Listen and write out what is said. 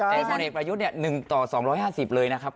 แต่พลเอกประยุทเนี่ยนึงต่อ๒๕๐เลยนะครับ